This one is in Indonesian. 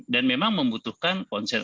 dan memang membutuhkan konser